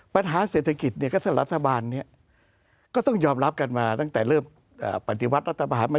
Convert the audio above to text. ปัญหาเศรษฐกิจก็จะรัฐบาลก็ต้องยอมรับกันมาตั้งแต่เริ่มปฏิวัติรัฐบาล